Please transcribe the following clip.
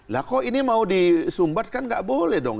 lah kok ini mau disumbat kan nggak boleh dong